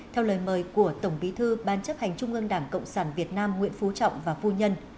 theo lời mời của tổng bí thư ban chấp hành trung ương đảng cộng sản việt nam nguyễn phú trọng và phu nhân